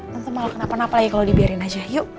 nanti malah kenapa napa lagi kalo dibiarin aja